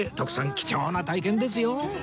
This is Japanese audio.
貴重な体験ですよ